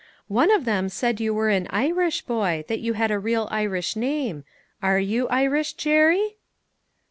One of them said you were an Irish boy, that you had a real Irish name. Are you Irish, Jerry?"